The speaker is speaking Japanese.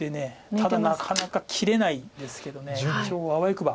ただなかなか切れないですけど一応あわよくば。